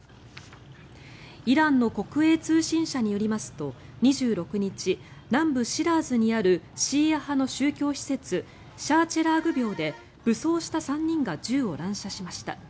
イランの国営通信社によりますと２６日南部シラーズにあるシーア派の宗教施設シャー・チェラーグ廟で武装した３人が銃を乱射しました。